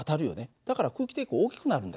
だから空気抵抗大きくなるんだよ。